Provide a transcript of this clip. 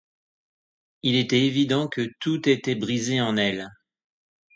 Il était évident que tout était brisé en elle.